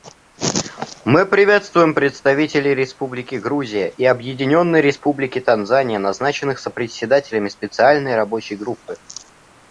Мы приветствуем представителей Республики Грузия и Объединенной Республики Танзания, назначенных сопредседателями Специальной рабочей группы.